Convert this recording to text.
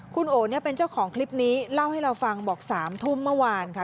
คุณโอเนี่ยเป็นเจ้าของคลิปนี้เล่าให้เราฟังบอก๓ทุ่มเมื่อวานค่ะ